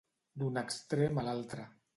D'un extrem a l'altre.